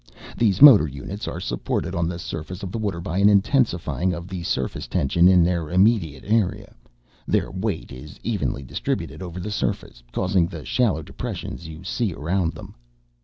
These motor units are supported on the surface of the water by an intensifying of the surface tension in their immediate area. Their weight is evenly distributed over the surface, causing the shallow depressions you see around them.